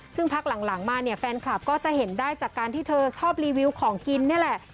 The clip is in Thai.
ซึ่งพักหลังมาเนี่ยแฟนคลับก็จะเห็นได้จากการที่เธอชอบรีวิวของกินนี่แหละ